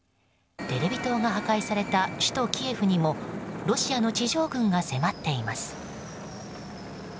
テレビ塔が破壊された首都キエフにもロシアの地上軍が迫っています。